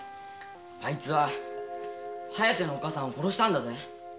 あいつは「疾風」のおっかさんを殺したんだぜ。